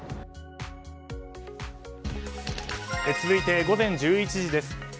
続いて午前１１時です。